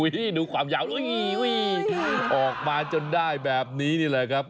ดูความยาวเลยออกมาจนได้แบบนี้นี่แหละครับ